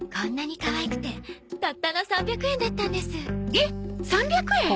えっ３００円！？